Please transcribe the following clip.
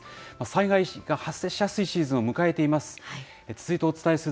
災害が発生しやすいシーズンを迎えています。